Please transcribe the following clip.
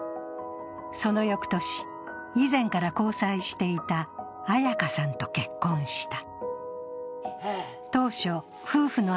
その翌年、以前から交際していた彩香さんと結婚した。